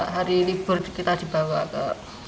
hari libur kita dibawa ke